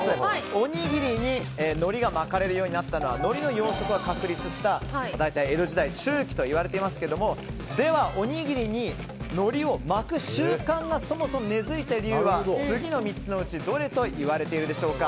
おにぎりにのりが巻かれるようになったのはのりの養殖が確立した江戸時代中期といわれていますがでは、おにぎりにのりを巻く習慣がそもそも根付いた理由は次の３つのうちどれといわれているでしょうか。